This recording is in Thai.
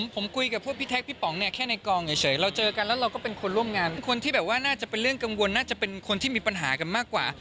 ผมคุยกับพวกพี่แท็กพี่ป๋องเนี่ยแค่ในกองเฉยเราเจอกันแล้วเราก็เป็นคนร่วมงานเป็นคนที่แบบว่าน่าจะเป็นเรื่องกังวลน่าจะเป็นคนที่มีปัญหากันมากกว่า